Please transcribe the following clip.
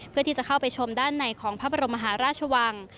เพื่อที่จะเข้าไปชมด้านในของพระบรมมหาราชวัง